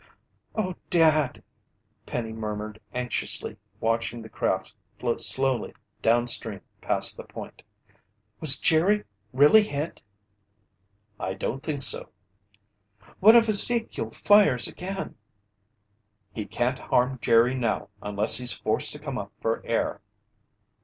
"Oh, Dad!" Penny murmured anxiously, watching the craft float slowly downstream past the point. "Was Jerry really hit?" "I don't think so." "What if Ezekiel fires again?" "He can't harm Jerry now unless he's forced to come up for air."